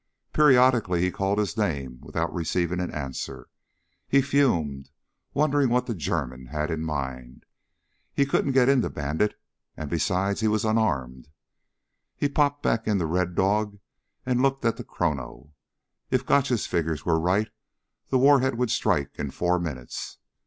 Periodically he called his name without receiving an answer. He fumed, wondering what the German had in mind. He couldn't get into Bandit and, besides, he was unarmed. He popped back into Red Dog and looked at the chrono. If Gotch's figures were right the warhead would strike in four minutes.